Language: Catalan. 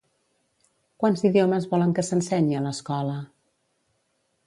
Quants idiomes volen que s'ensenyi a l'escola?